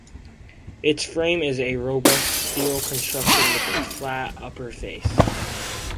Its frame is a robust steel construction with a flat upper face.